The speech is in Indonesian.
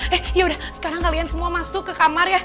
eh yaudah sekarang kalian semua masuk ke kamar ya